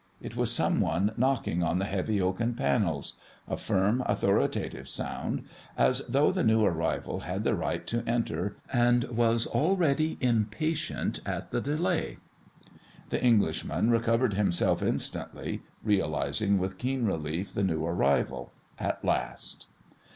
It was some one knocking on the heavy oaken panels a firm, authoritative sound, as though the new arrival had the right to enter and was already impatient at the delay. The Englishman recovered himself instantly, realising with keen relief the new arrival at last.